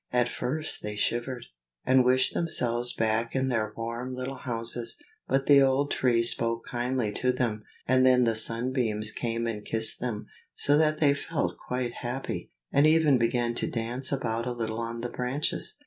At first they shivered, and wished themselves back in their warm little houses; but the old Tree spoke kindly to them, and then the sunbeams came and kissed them, so that they felt quite happy, and even began to dance about a little on the branches.